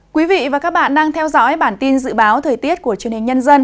quý vị và các bạn đang theo dõi bản tin dự báo thời tiết của truyền hình nhân dân